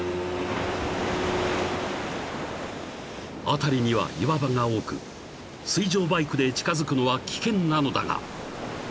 ［辺りには岩場が多く水上バイクで近づくのは危険なのだが］